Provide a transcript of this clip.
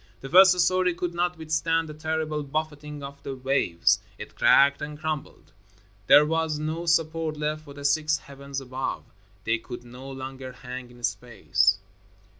The first story could not withstand the terrible buffeting of the waves. It cracked and crumbled. There was no support left for the six heavens above. They could no longer hang in space.